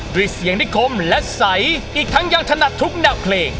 ด้วยเสียงนิคมและใสอีกทั้งยังถนัดทุกแนวเพลง